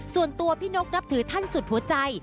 ส่วนตัวพี่นกนับถือท่านสุดหัวใจ